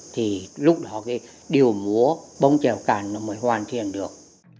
thì lúc đó cái điều mùa bóng trèo cạn nó mới hoàn thiện được